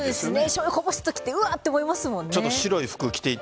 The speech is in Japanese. しょうゆこぼしたときうわって思いますもんね。